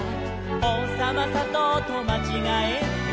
「おうさまさとうとまちがえて」